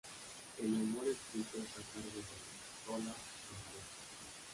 El humor escrito está a cargo de "Tola y Maruja".